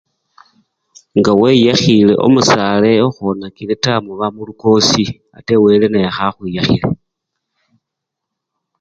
nga weyahile omusale okhwonakile taa, muba mulukosi ate wele naye akha khwiyakhile